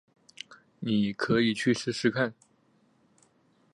妳可以去试试看